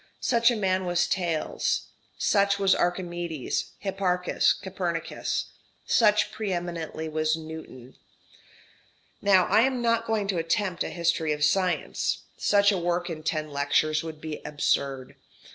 Such a man was Thales. Such was Archimedes, Hipparchus, Copernicus. Such pre eminently was Newton. Now I am not going to attempt a history of science. Such a work in ten lectures would be absurd.